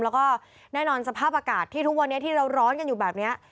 แล้วก็แน่นอนสภาพอากาศที่ทุกวันนี้ที่เราร้อนกันอยู่แบบนี้